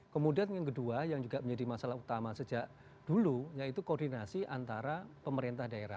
kemudian yang kedua yang juga menjadi masalah utama sejak dulu yaitu koordinasi antara pemerintah daerah